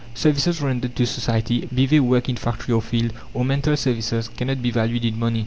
Services rendered to society, be they work in factory or field, or mental services, cannot be valued in money.